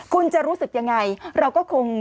คุณจะรู้สึกยังไงเราก็คง